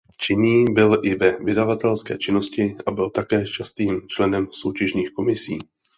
Činný byl i ve vydavatelské činnosti a byl také častým členem soutěžních komisí.